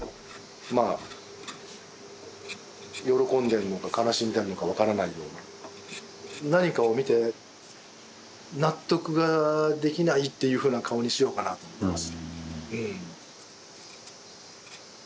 まあ喜んでんのか悲しんでんのか分からないような何かを見て納得ができないっていうふうな顔にしようかなと思ってます。